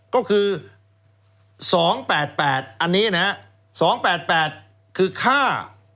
ก็คือสองแปดแปดอันนี้นะฮะสองแปดแปดคือฆ่า